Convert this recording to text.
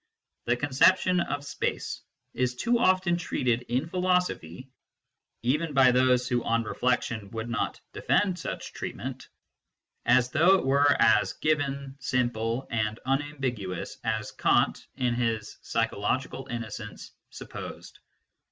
The conception of space is too often treated in philosophy even by those who on reflection would not defend such treatment as though it were as given, simple, and unambiguous as Kant, in his psychological innocence, supposed.